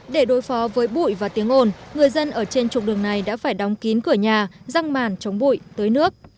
để đối phó với bụi và tiếng ồn người dân ở trên trục đường này đã phải đóng kín cửa nhà răng màn chống bụi tới nước